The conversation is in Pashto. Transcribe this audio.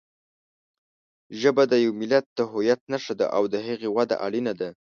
ژبه د یوه ملت د هویت نښه ده او د هغې وده اړینه ده.